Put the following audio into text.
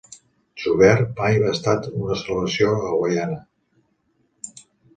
Jouvert mai ha estat una celebració a Guaiana.